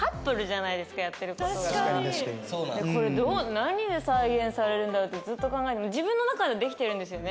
なにで再現されるんだろってずっと考え自分の中では出来てるんですよね。